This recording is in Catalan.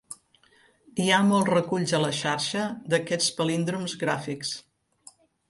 Hi ha molts reculls a la xarxa d'aquests palíndroms gràfics.